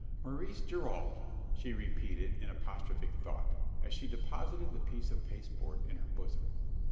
"Maurice Gerald!" she repeated, in apostrophic thought, as she deposited the piece of pasteboard in her bosom.